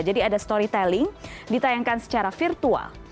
jadi ada storytelling ditayangkan secara virtual